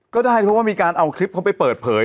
ก็ได้เพราะว่ามีการเอาคลิปเขาไปเปิดเผย